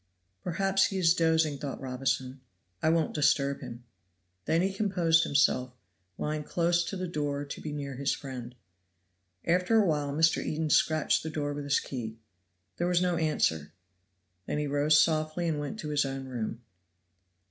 "Perhaps he is dozing," thought Robinson. "I won't disturb him." Then he composed himself, lying close to the door to be near his friend. After a while Mr. Eden scratched the door with his key. There was no answer; then he rose softly and went to his own room.